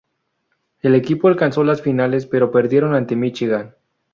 El equipo alcanzó las finales pero perdieron ante Michigan.